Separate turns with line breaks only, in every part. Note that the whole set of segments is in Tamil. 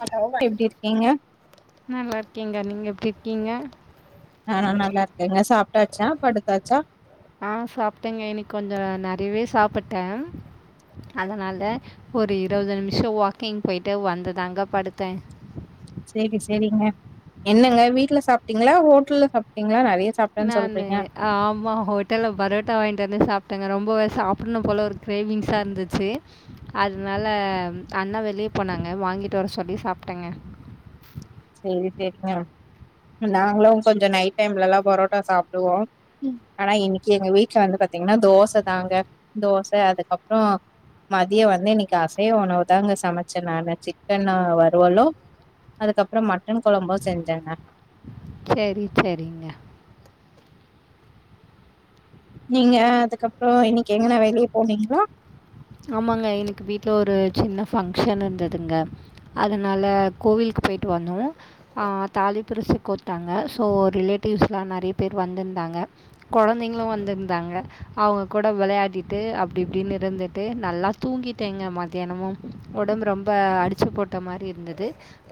ஹலோ எப்டி இருக்கீங்க
நல்லா இருக்கங்க நீங்க எப்டி இருக்கீங்க
நானா நல்லா இருக்கேங்க சாப்ட்டாச்சா படுத்தாச்சா
அ சாப்ட்டேங்க இன்னிக்கு கொஞ்சோ நெறையவே சாப்பிட்டே அதனால ஒரு இருவது நிமிஷோ வாக்கிங் போயிட்டு வந்துதாங்க்கா படுத்தே
சேரி சேரிங்க என்னங்க வீட்ல சாப்ட்டீங்களா ஹோட்டல்ல சாப்ட்டீங்களா நெறைய சாப்ட்டேன்னு
நானு
சொல்றீங்க
ஆமா ஹோட்டல்ல பரோட்டா வாங்கிட்டு வந்து சாப்ட்டேங்க ரொம் போ சாப்டனும் போல ஒரு கிரேவிங்ஸா இருந்துச்சு அதனால அண்ணா வெளியே போனாங்க வாங்கிட்டு வர சொல்லி சாப்ட்டேங்க
சேரி சேரிங்க நாங்களு கொஞ்சோ நைட் டைம்லல்லா பரோட்டா சாப்டுவோ ஆனா இன்னிக்கு எங்க வீட்ல வந்து பாத் த்தீங்கன்னா தோச தாங்க தோச அதுக்கப்றோ மதியோ வந்து இன்னிக்கு அசைவ உணவுதாங்க சமச்சே நானு சிக்கனு வறுவலு அதுக்கப்றோ மட்டன் கொழம்பு செஞ்சேங்க
சேரி சேரிங்க
நீங்க அதுக்கப்றோ இன்னிக்கு எங்கனா வெளியே போனீங்ளா
ஆமாங்க இன்னிக்கு வீட்ல ஒரு சின்ன ஃபங்க்ஷன் இருந்ததுங்க அதனால கோவில் க்கு போய்ட்டு வந்தோ அ தாலி பிரிச்சு கோத்தாங்க சோ ரிலேட்டிவ்ஸ்லா நெறைய பேர் வந்து தாங்க கொழந்தைங்களு வந்திருந்தாங்க அவங்க கூட வெளயாடிட்டு அப்டி இப்டினு இருந் ட்டு நல்லா தூங்கிட்டேங்க மத்தியானமு ஒடம்பு ரொம்ப அடிச்சு போட்ட மாரி இருந்தது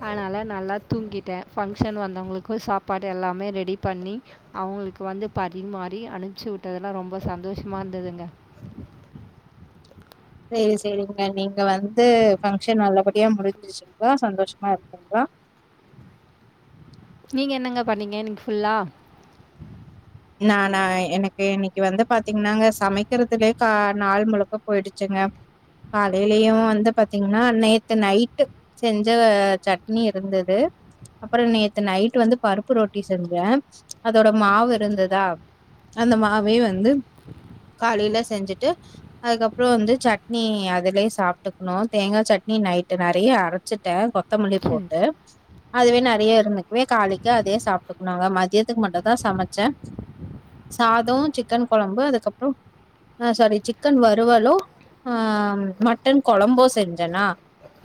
அதனா நல்லா தூங்கிட்டே ஃபங்க்ஷன் வந்தவங்களுக்கு சாப்பாடு எல்லாமே ரெடி பண்ணி அவங்களு வந்து பரிமாறி அனுப்ச்சு விட்டதுல்லா ரொம்ப சந்தோஷமா இருந்ததுங்க
சேரி சேரிங்க நீங்க வந்து ஃபங்க்ஷன் நல்லபடியா முடிஞ்சிச்சுங்ளா சந்தோஷமா இருக்குங்ளா
நீங்க என்னங்க பண்ணீங்க இன்னிக்கு ஃபுல்லா
நானா எனக்கு இன்னைக்கு வந்து பாத்தீங்கன்னாங்க சமைக்கிறதுலயே கா நாள் முழுக்க போயிடுச்சுங்க காலேலயு வந்து பாத்தீங்கன்னா நேத்து நைட்டு செஞ்ச சட்னி இருந்தது அப்றோ நேத்து நைட்டு வந்து பருப்பு ரொட்டி செஞ்சே அதோட மாவு இருந்தது தா அந்த மாவே வந்து காலேல செஞ்சுட்டு அதுக்கப்றோ வந்து சட்னி அதுலே சாப்பிட்டுக்கணு தேங்கா சட் னி நைட்டு நெறைய அரைச்சுட்டே கொ கொத்தமல்லி
சரி.
போட்டே அதுவே நெறைய இருந்துக்கவே காலைக்கு அதே சாப்டுக்குனுங்க மத் மதியத்துக்கு மட்டு தா சமைச்சே சாதோ சிக்கன் கொழம்பு அதுக்கப்புறோ ஆ சாரி சிக்கன் வருவலு ஆ மட்டன் கொழம்பு செஞ்சனா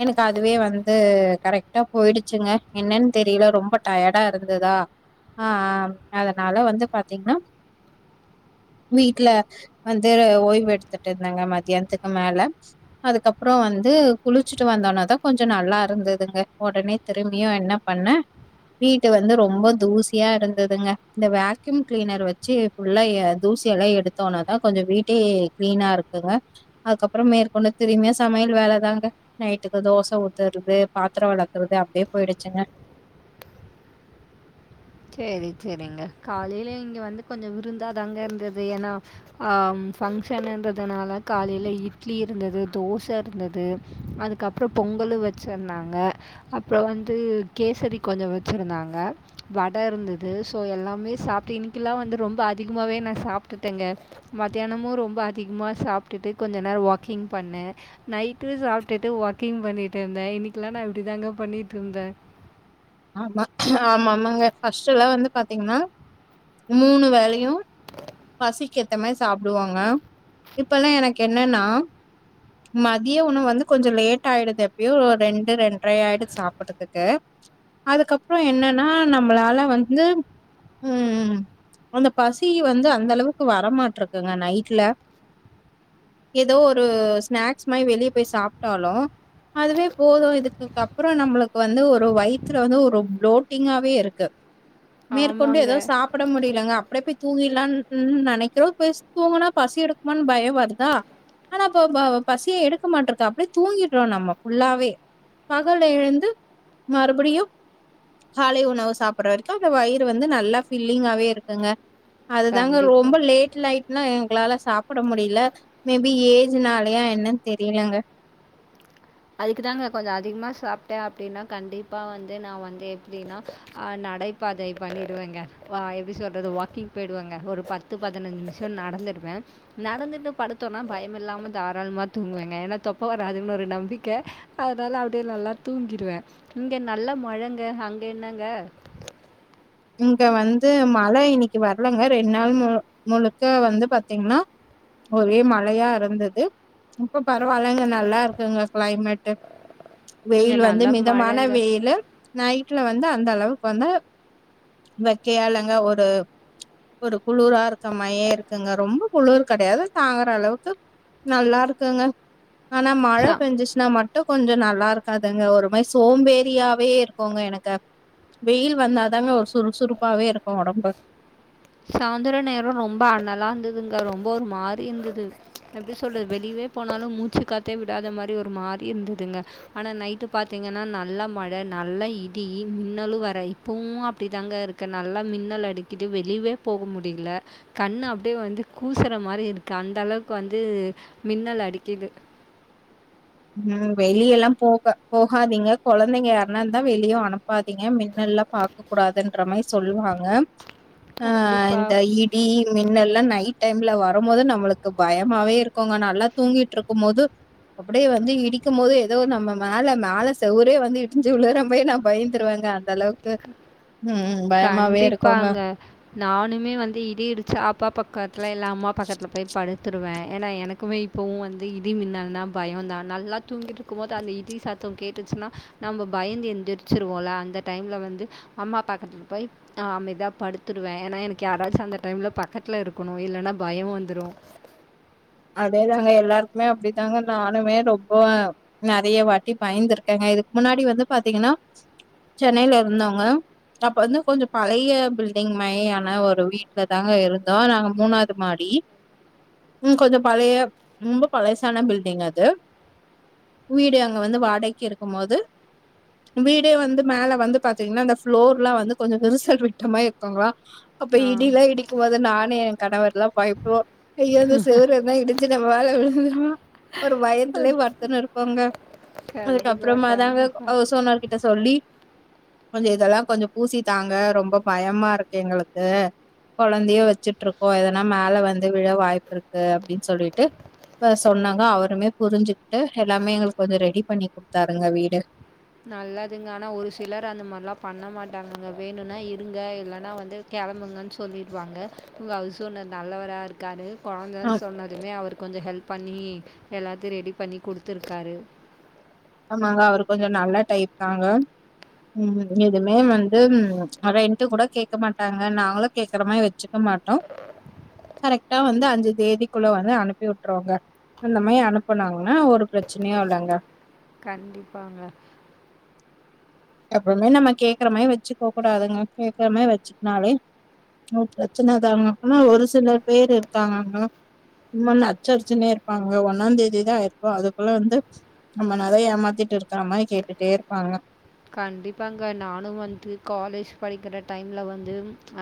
எனக்கு அதுவே வந்து கரெக்டா போயிடுச்சுங்க என்னன்னு தெரியல ரொம்ப டயடா இருந்ததா ஆ ஆம் அதனால வந்து பாத்தீங்கன்னா வீட்டுல வந்து ஓய்வு எடுத்துட்டு இருந்தேங்க மதியானத்துக்கு மேல அதுக்கப்புறோ வந் து குளிச்சுட்டு வந்தோனதா கொஞ்சோ நல்லா இருந்ததுங்க உடனே திரும்பியு என்ன பண்ண வீட்டு வந்து ரொம்ப தூசியா இருந்ததுங்க இந்த வே க்யூம் கிளீனர் வச்சு ஃபுல்லா எ தூசிய எல்லா எடுத்தோனதா கொஞ்சோ வீட்டே கிளீனா இருக்குங்க அதுகப்றோ மேற்கொண்டு திரும்பியு சமையல் வேலதாங்க நைட்டுக்கு தோச ஊத்துறது பாத்திர வெளக்குற து அப்டியே போயிடுச்சுங்க
செரி செரிங்க காலேலயே இங்க வந்து கொஞ்சோ விருந்தாதாங்க இருந்தது ஏன்னா ஆம் பங்கஷனுன்றதுனால காலேல இட்லி இருந்தது தோச இருந்தது அதுக்கப்புறோ பொங் ங்கலு வச்சிருந்தாங்க அப்றோ வந்து கேசரி கொஞ்சோ வச்சிருந்தாங்க வட இருந்தது ஸோ எல்லாமே சாப்டு இன்னிக்கில்லா வந்து ரொம்ப அதிகமாவே நா சாப்டுட்டேங்க வ மத்தியானமு ரொம்ப அதிகமா சாப்டுட்டு கொஞ்ச நேர வாக்கிங் பண்ணே நைட்டு சாப்டுட்டு வாக்கிங் கிங் பண்ணிட்டு இருந்தே இன்னக்கெல்லா நா இப்டிதாங்க பண்ணிட்ருந்தே
ஆமா ஆமாமாங்க ஃபஸ்ட்ல்லா வந்து பாத்தீங்கன்னா மூணு வேலயு பசிக்கேத்த மாரி சாப்பிடுவாங்க இப்பல்லா எனக்கு என்னன்னா மதிய உணவு வந்து கொஞ்சோ லேட் ஆயிடுது எப்யோ ரெண்டு ரெண்டரை ஆயிடுது சாப்டறதுக்கு அதுக்கப்றோ என்னன்னா நம்மளால வந்து ம் ம் அந்த பசி வந்து அந்த அளவுக்கு வரமாட்டிருக்குங்க நைட்ல ஏதோ ஒரு ஸ்நாக்ஸ் மாரி வெளிய போய் சாப்டாலு அதுவே போது இதுக்குக்கு அப்றோ நம்மளுக்கு வந்து ஒரு வைத் துல வந்து ஒரு ஃப்ளோட்டிங்காவே இருக்கு மேற்கொண்டு ஏதோ
ஆமாங்க.
சாப்ட முடியலங்க அப்டியே போய் தூங்கிலான் ன் நெனைக்கிறோ போயி தூங்குனா பசி எடுக்குமான்னு பயோ வருதா ஆனா இப்ப பசியே எடுக்க மாட்டருக்கு அப்டியே தூங்கீர்றோ நம்ம ஃபுல்லாவே பகல்ல எழுந்து மறுப் படியு காலை உணவு சாப்பிடுற வரைக்கு அந்த வயிறு வந்து நல்லா பில்லிங்காவே இருக்குங்க அதுதாங்க
கண்டிப்பா.
ரொம்ப லேட் நைட்னா எங் எங்களால சாப்ட முடியல மேபி ஏஜ்னாலயா என்னன்னு தெரியலங்க
அதுக்கு தாங்க கொஞ்சோ அதிகமா சாப்ட்டே அப்டின்னா கண்டிப்பா வந்து நா வந்து எப்டின்னா ஆ நா நடைபாதை பண்ணிடுவேங்க வா எப்படி சொல்றது வாக்கிங் போயிடுவங்க ஒரு பத்து பதினஞ்சு நிமிஷம் நடந்து ருவே நடந்துட்டு படுத்தோன்னா பயம்மில்லாம தாராளமா தூங்குவேங்க என்னா தொப்ப வராதுன்னு ஒரு நம்பிக் க அதனால அப்டியே நல்லா தூங்கிடுவே இங்க நல்ல மழங்க அங்க என்னங்க
இங்க வந்து மழை இன்னிக்கி வரலங்க ரெண் நாள் மு முழுக்க வந்து பாத்தீங்கன்னா ஒரே மழையா இருந்தது இப்ப பரவாயில்ல இங்க நல்லா இருக்குங்க கிளைமேட்டு
இங்க
வெயில் வந்து
நல்ல
மிதமான
மழங்க.
வெயிலு நைட்ல வந்து அந்த அளவுக் வந்தா வெக்கையால்லங்க ஒரு ஒரு குளுரா இருக்க மாயே இருக்குங்க ரொம்ப குளுரு கெடையாது தாங்குற அளவுக்கு நல்லா இருக்குங்க ஆனா மழ
சா
பெஞ்சுச்சுனா மட்டு கொஞ்சோ நல்லா இருக்காதுங்க ஒரு மாரி சோம்பேரியாவே இருக்குங்க எனக்கு வெயில் வந்தா தாங்க ஒரு சுறுசுறுப்பாவே இருக்கு ஒடம்பு
சாந்தர நேர ரொம்ப அனலா இருந்ததுங்க ரொம்ப ஒரு மாரி இருந்தது எப்டி சொல்றது வெளியவே போனாலு மூச்சு காத்தே விடாத மாரி ஒரு மாரி இருந்ததுங்க ஆனா நைட்டு பாத்தீங்கனா நல்ல மழ நல்ல இடி மின்னலு வர இப்பவு அப்டி தாங்க இருக்கு நல்லா மின்னல் அடிக்குது வெளிய்வே போக முடியில கண்ணு அப்டியே வந்து கூசுற மாரி இருக்கு அந்த அளவுக்கு வந்து மின்னல அடிக்குது
ம் வெளியலா போக போகாதீங்க கொழந்தைங்க யாருனா இருந்தா வெளியவு அனுப்பாதீங்க மின்னல் லா பாக்க கூடாதுன்ற மாயி சொல்லுவாங்க அ இந்த
கண்டிப்பாக
இடி மின்னல்லா நைட் டைம்ல வருமோது நம்மளுக்கு பயமாவே இருக்குங்க நல்லா தூங்கிட்ருக்கு மோது அப்டியே வந்து இடிக்கும் போது எதோ நம்ம மேல மேல செவுரே வந்து இடிஞ்சு விழுர மாயி நா பயந்துருவங்க அந்த அளவுக் கு ம் இருக்குங்க.
கண்டிப்பாங்க நானுமே வந்து இடி இடிச்சா அப்பா பக்கத்துல இல்ல அம்மா பக்கத் ட்ல போய் படுத்துருவே ஏனா எனக்குமே இப்பவு வந்து இடி மின்னல்னா பயோந்தா நல்லா தூங்கிட்ருக்கும் போது அந்த இடி சத்த கேட்டு சுனா நம்ப பயந்து எந்திரிச்சுருவோல அந்த டைம்ல வந் து அம்மா பக்கத்துல போய் நா அமைதியா படுத்துருவே ஏனா எனக்கு யாராச்சு அந்த டைம்ல பக்கத்துல இருக்கணு இல்லனா பய வந்துரு
அதேதாங்க எல்லாருக்குமே அப்டி தாங்க நானுமே ரொம்ப நெறைய வாட்டி பயந்திருக்கேங்க இதுக்கு முன்னாடி வந்து பாத்தீங்கனா சென்னைல இருந்தோங்க அப்ப வந்து கொஞ்ச பழைய பில்டிங் மாயியான ஒரு வீட்ல தாங்க இருந்தோ நாங்க மூணாவ்து மாடி ம் கொஞ்ச பழைய ரொம்ப பழசான பில்டிங் அது வீடு அங்க வந்து வாடைக்கு இருக்கு மோது வீடே வந்து மேல வந்து பாத்தீங்னா அந்த ஃப்ளோர்லா வந்து கொஞ்ச விரிசல் விட்டமாயி இருக்குங்ளா அப்ப
ஆ.
இடிலா இடிக்கும் போது நானு எ கணவர்லா பயப்டுவோ ஐயோ இந்த செவுரெல்லா இடிஞ்சு நம்ம மேல விழுந்துருமோ ஒரு பயத்துலே படுத்துன்னு இருப்போங்க
கண்டிப்பா,
அதுக்கப்றமா தாங்க
கண்டிப்பா.
ஹவுஸ் ஓனர் கிட்ட சொல்லி கொஞ்ச இதெல்லா கொஞ்ச பூசி தாங்க ரொம்ப பயமா இருக்கு எங்களுக்கு கொழந்தைய வச்சுட்ருக்கோ எதுனா மேல வந்து விழ வாய்ப்பிருக்கு அப்டின் சொல்லிட்டு இப்ப சொன்னாங்க அவருமே புரிஞ்சுக்கிட்டு எல்லாமே எங்களுக்கு வந்து ரெடி பண்ணி குடுத்தாருங்க வீடு
நல்லதுங்க ஆனா ஒரு சிலர் அந்த மார்லா பண்ண மாட்டாங்கங்க வேணுனா இருங்க இல்லனா வந்து கெ கெளம்புங்கன் சொல்லிருவாங்க உங்க ஹவுஸ் ஓனர் நல்லவரா இருக்காரு
ஆ
கொழந்தன் சொன்னதுமே அவரு கொஞ்ச ஹெல்ப் பண்ணி எல்லாத்தயு ரெடி பண்ணி குடுத்துருக்காரு
ஆங்க அவரு கொஞ்ச நல்ல டைப் தாங்க ம் எதுமே வந்து ம் அட ரெண்ட்டு கூட கேக்க மாட்டாங்க நாங்களு கேக்குற மாயி வச்சுக்கம் மாட்டோ கரெக்டா வந்து அஞ்சு தேதிக்குள்ள வந்து அனுப்பி வுட்டுருவோங்க அந்த மாயி அனுப்புனாங்கனா ஒரு பிரச்சனையு இல்லங்க
கண்டிப்பாங்க
எப்பவுமே நம்ம கேக்குற மாயி வச்சுக்க கூடாதுங்க கேக்குற மாயி வச்சுக்னாலே ம் பிரச்சனதாங்க ஆனா ஒரு சிலர் பேரு இருக்காங்கங்க இன்மோ நச்சரிச்சுனே இருப்பாங்க ஒன்னாந் தேதிதா ஆயிருக்கு அதுக்குள்ள வந்து நம்ம நெறைய ஏமாத்திட்டு இருக்குற மாயி கேட்டுட்டே இருப்பாங்க
கண்டிப்பாங்க நானு வந்து காலேஜ் படிக்கிற டைம்ல வந்து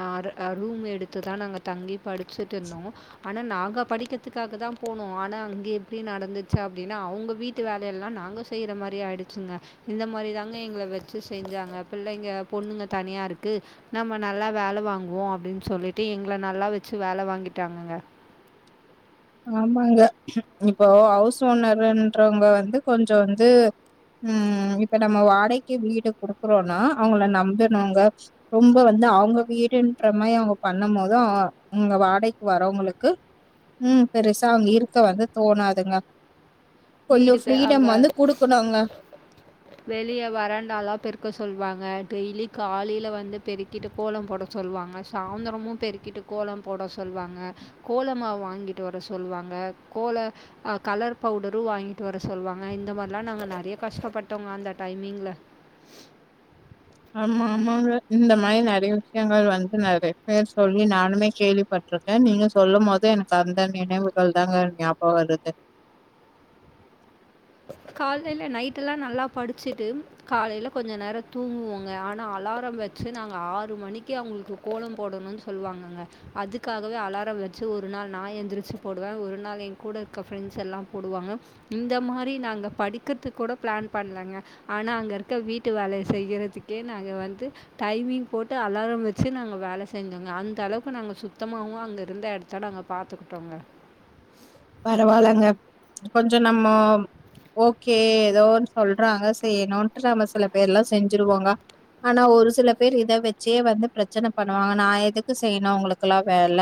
அ ரு அ ரூமு எடுத்து தா நாங்க தங்கி படிச்சுட்டு இருந்தோ ஆனா நாங்க படிக்கற்த்துக்காக தா போனோ ஆனா அங்கே எப்டி நடந்துச்சி அப்டின்னா அவுங்க வீட்டு வேலைய எல்லா நாங்க செய்ற மாறி ஆயிடுச்சுங்க இந்த மாரி தாங்க பிள்ளைங்கள வெச்சி செஞ்சாங்க பிள்ளைங்க பொண்ணுங்க தனியா இருக்கு நம்ம நல்லா வேலை வாங்குவோம அப்டின்னு சொல்லிட்டு எங்கள நல்லா வெச்சி வேலை வாங்கிட்டாங்கங்க
ஆமாங்க இப்போ ஹவுஸ் ஓனருன்றவங்க வந்து கொஞ்சோ வந்து ம் இப்ப நம்ம வாடகைக்கு வீடு குடுக்குறோன்னா அவங்கள நம்பனோங்க ரொம்ப வந்து இத அவுங்க வீடுன்ற மாரி அவுங்க பண்ணும் போது அவ அங்க வாடகைக்கு வரவங்களுக்கு ம் பெருசா அங்க இருக்க வந்து தோணாதுங்க கொஞ்சோ
வீடு பெ அங்க
ஃப்ரீடம் வந்து குடுக்கணுங்க
வெளியே வராண்டால்லா பெருக்க சொல்லுவாங்க டெய்லி காலையில வந்து பெருக்கிட்டு கோலம் போட சொல்லுவாங்க சாயிந்திரமு பெருக்கிட்டு கோலம் போட சொல்ல வாங்க கோலமாவு வாங்கிட்டு வர சொல்லுவாங்க கோல கலர் பவுடர் ரு வாங்கிட்டு வர சொல்லுவாங்க இந்த மாரிலா நாங்க நறைய கஷ்டப்பட்டோங்க அந்த டைமிங்ல
ஆமா ஆமாங்க இந்த மாரி நறைய விஷயங்கள் வந்து நறைய பேர் சொல்லி நானுமே கேள்விப்பட்ருக்கே நீங்க சொல்லு போது எனக்கு அந்த நினைவுகள் தாங்க ஞாபோ வருது
காலையில நைட்டெலா நல்லா படிச்சிட்டு காலையில கொஞ்ச நேரோ தூங்குவோங்க ஆனா அலாரம் வச் சசி நாங்க ஆறு மணிக்கு அவுங்களுக்கு கோலம் போடணும் சொல்லுவாங்கங்க அதுக்காகவே அலாரம் வச்சு ஒரு ஒரு நா எந்திரிச்சி போடுவே ஒரு நாள் என் கூட இருக்க ஃப்ரெண்ட்ஸ் எல்லா போடுவாங்க இந்த மாரி நாங்க படிக்கிறது கூட பிளான் பண்ணலங்க ஆனா அங்க இருக்க வீட்டு வேலை செய்யறதுக்கே நாங்க வந்து து டைமிங் போட்டு அலாரம் வச்சு நாங்க வேலை செஞ்சோங்க அந்த அளவுக்கு நாங்க சுத்தமாவு அங்க இருந்த எட இத்தாட அங்க பாத்துக்கிட்டோங்க
பரவால்லங்க கொஞ்சோ நம்மோ ஓகே ஏதோ ஒன்னு சொல்றாங்க செய்யணும் இன்டு நம்ம சில பேர்லா செஞ்சிருவோங்க ஆனா ஒரு சில பேர் இத வெச்சே வந்து பிரச்சன பண்ணுவாங்க நா எதுக்கு செய்யணு உங்களுக்கு எல்லாம் வேல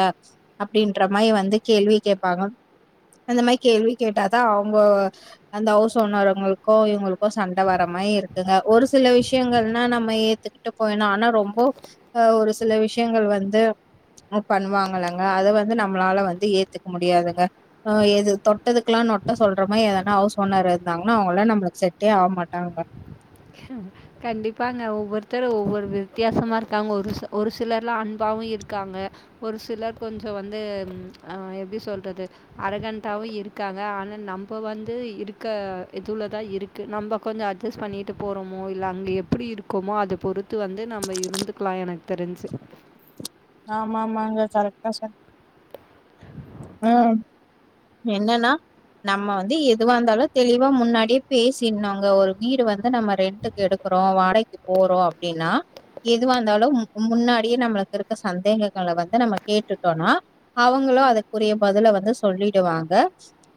அப்டின்ற மாரி வந்து கேள்வியு கேப்பாங்க அந்த மாரி கேள்வி கேட்டாதா அவுங்கோ அந்த ஹவுஸ் ஓனருங்களுக்கு இவங்களுக்கு சண்டை வர மாரி இரு க்குங்க ஒரு சில விஷயங்கள்னா நம்ம ஏத்துக்கிட்டு போயிட்னு ஆனா ரொம்போ அ ஒரு சில விஷயங்கள் வந்து நோ பண்ணுவாங்களங்க அத வந்து நம்மளால வந்து ஏத்துக்க முடியாதுங்க அ எது தொட்டதுக்குலா நொட்ட சொல்ற மாரி ஏதனா ஹவுஸ் ஓனர் இருந்தாங்னா அவுங்கல்லா நம்மளுக்கு செட்டே ஆவ மாட்டாங்க
கண்டிப்பாங்க ஒவ்வொருத்தரு ஒவ்வொரு வித்தியாசமா இருக்காங்க ஒரு ஒரு சிலர்லா அன்பாவு இருக்காங்க ஒரு சிலர் கொஞ்சோ வந்து ம் அ எப்டி சொல்றது அரகண்டாவு இரு இருக்காங்க ஆனா நம்போ வந்து இருக்க இதுவுல தா இருக்கு நம்ம கொஞ்சோ அட்ஜஸ்ட் பண்ணிட்டு ட்டு போறோமோ இல்ல அங்கே எப்டி இருக்கோமோ அத பொறுத்து வந்து நம்ம இருந்துக்கலாம் எனக்கு தெரிஞ்சி
ஆமா ஆமாங்க கரெக்டா சொன் ம் என்னன்னா நம்ம வந்து எதுவா இருந்தாலு தெளிவா முன்னாடியே பேசின்னுங்க ஒரு வீடு வந்து நம்ம ரெண்ட்டுக்கு எடுக்க போறோ வாடைக்கு போறோ அப்டின்னா எதுவாருந்தாலு முன்னாடியே நம்மளுக்கு இருக்க சந்தேகங்கள வந்து நம்ம கேட்டுட்டோனா அவங்களு அத உரிய பதில வந்து சொல்லிடுவாங்க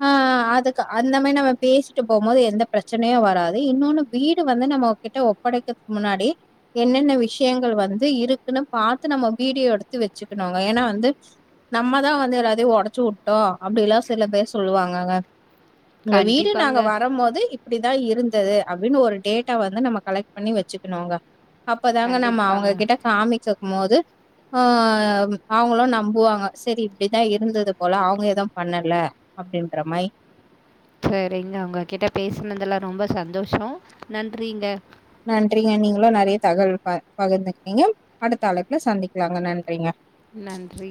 ஆ அதுக்கு அந்த மாரி நம்ம பேசிட்டு போம்போது எந்த பிரச்சனையு வராது இன்னொன்னு வீடு வந்து நம்ம கிட்ட ஒப்படைக்கறதுக்கு முன்னாடி என்னென்ன விஷயங்கள் வந்து இருக்குன்னு பாத்து நம்ம வீடியோ எடுத்து வெச்சுக்கணுங்க ஏன்னா வந்து நம்ம தா வந்து எத அத ஒடச்சி உட்டோ அப்டிலா சில பேர் சொல்லுவாங்கங்க உங்க வீடு
கண்டிப்பாங்க.
நாங்க வரும் போது அப்டிதா இருந்தது அப்டின்னு ஒரு டேட்டா வந்து நம்ம கலெக்ட் பண்ணி வச்சுக்கணுங்க அப்பதாங்க நம்ம
கண்டிப்பாங்க.
அவுங்ககிட்ட காமிக்கும் போது ஆ அவங்களு நம்புவாங்க செரி இப்டிதா இரு ருந்தது போல அவங்க எதும் பண்ணல அப்டின்ற மை
சரிங்க ஒங்க கிட்ட பேசுனதுல்ல ரொம்ப சந்தோஷோம் நன்றிங்க
நன்றிங்க நீங்களும் நெறைய தகவல் ப பகர்ந்துக்கிட்டீங்க அடுத்த அழைப்புல சந்திக்கலாங்க நன்
நன்றி